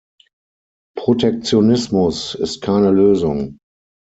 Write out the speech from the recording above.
Protektionismus ist keine Lösung.